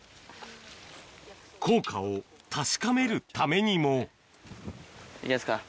効果を確かめるためにもいきますか。